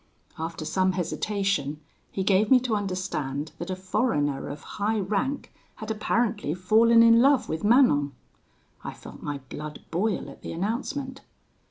After some hesitation, he gave me to understand that a foreigner of high rank had apparently fallen in love with Manon. I felt my blood boil at the announcement.